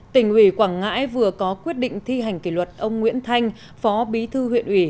tỉnh ủy quảng ngãi vừa có quyết định thi hành kỷ luật ông nguyễn thanh phó bí thư huyện ủy